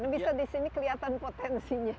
bisa di sini kelihatan potensinya